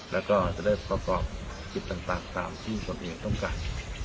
แล้วก็จะได้ประกอบกิจต่างตามที่ตนเองต้องการ